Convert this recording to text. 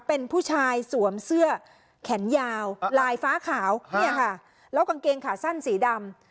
เป็นผู้ชายสวมเสื้อแขนยาวลายฟ้าขาวเนี่ยค่ะแล้วกางเกงขาสั้นสีดำ